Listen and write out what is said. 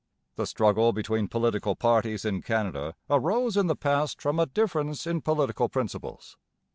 The struggle between political parties in Canada arose in the past from a difference in political principles.